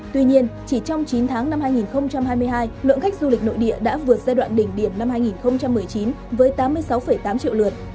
tuy nhiên chỉ trong chín tháng năm hai nghìn hai mươi hai lượng khách du lịch nội địa đã vượt giai đoạn đỉnh điểm năm hai nghìn một mươi chín với tám mươi sáu tám triệu lượt